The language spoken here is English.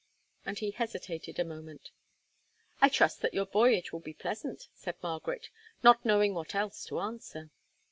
And he hesitated a moment. "I trust that your voyage will be pleasant," said Margaret, not knowing what else to answer.